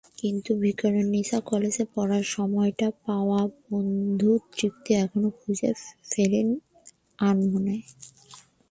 কিন্তু ভিকারুননিসা কলেজে পড়ার সময়টায় পাওয়া বন্ধু তৃপ্তিকে এখনো খুঁজে ফেরেন আনমনে।